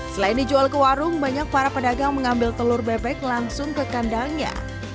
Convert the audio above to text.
selain dijual ke warung banyak para pedagang mengambil telur bebek langsung ke kandangnya